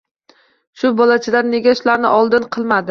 — Shu bolachalar nega shularni oldin qilmadi?